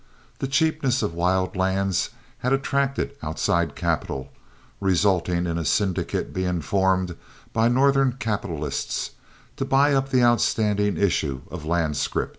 The cheapness of wild lands had attracted outside capital, resulting in a syndicate being formed by Northern capitalists to buy up the outstanding issue of land scrip.